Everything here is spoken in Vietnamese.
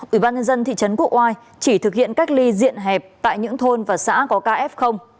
ủy ban nhân dân thị trấn quốc oai chỉ thực hiện cách ly diện hẹp tại những thôn và xã có caf